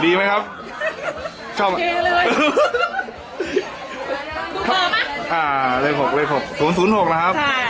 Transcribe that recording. ดีไหมครับชอบโอเคเลยอ่าเลข๖เลข๖๐๐๖นะครับใช่